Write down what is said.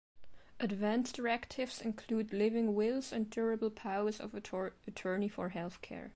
Advance directives include living wills and durable powers of attorney for health care.